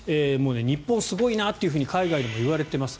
日本すごいなって海外でも言われています。